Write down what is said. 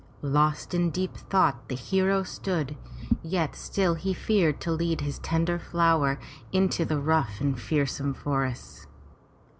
Lost in deep thought, the hero stood, yet still he feared to lead this tender flower into the rough and fearsome forest.